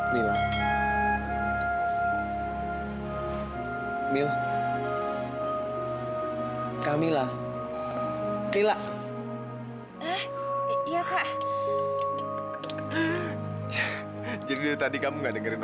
selalu lihat saya tak ada pinjemah bisanya